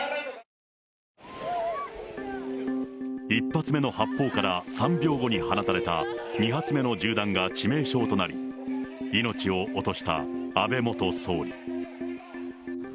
１発目の発砲から３秒後に放たれた２発目の銃弾が致命傷となり、命を落とした安倍元総理。